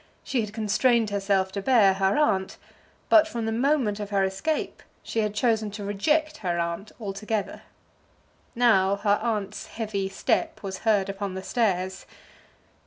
She had constrained herself to bear her aunt; but from the moment of her escape she had chosen to reject her aunt altogether. Now her aunt's heavy step was heard upon the stairs!